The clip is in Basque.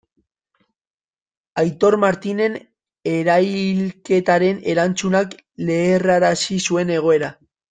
Aitor Martinen erailketaren erantzunak leherrarazi zuen egoera.